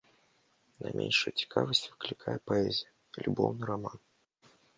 Найменшую цікавасць выклікае паэзія і любоўны раман.